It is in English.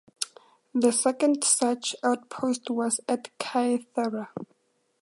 The second such outpost was at Kythera.